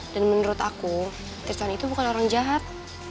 dan menurut aku tristan itu bukan orang jahat